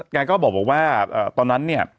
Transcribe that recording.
แกก็บอกว่าตอนนั้นเนี่ย